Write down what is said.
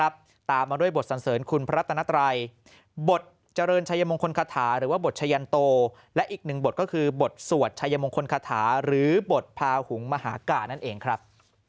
บทพาหุงมหากานั่นเองครับ